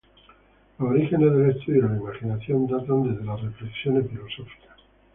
Los orígenes del estudio de la imaginación datan desde las reflexiones filosóficas.